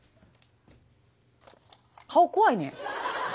顔怖いねん。